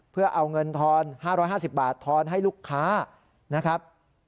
เพื่อเอาเงินทอน๕๕๐บาททอนให้ลูกค้านะครับ